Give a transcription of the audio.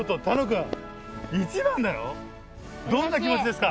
どんな気持ちですか？